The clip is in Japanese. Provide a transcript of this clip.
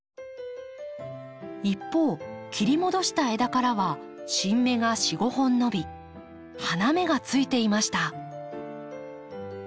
一方切り戻した枝からは新芽が４５本伸び花芽がついていました。